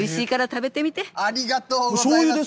ありがとうございます。